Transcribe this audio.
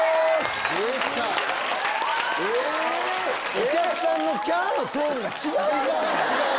お客さんのキャ！のトーンが違うやん。